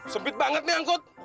sempit banget nih angkut